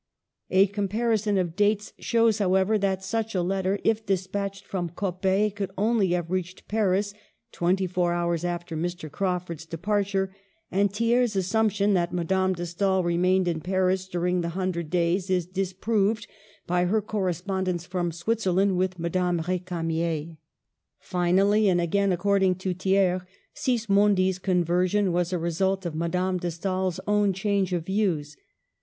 A comparison of dates shows, however, that such a letter, if despatched from Coppet, could only have reached Paris twenty four hours after Mr. Crawford's departure, and Thier's assump tion that Madame de Stael remained in Paris during the Hundred Days is disproved by her correspondence from Switzerland with Madame R6camier. Finally, and again according to Thiers, Sismondi's conversion was a result of Madame de Stael's own change of views.